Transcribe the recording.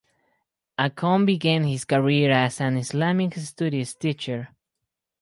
Akon began his career as an Islamic studies teacher.